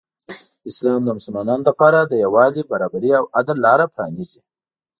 اسلام د مسلمانانو لپاره د یو والي، برابري او عدل لاره پرانیزي.